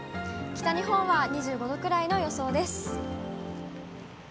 北日本は２５度くらいの予想です。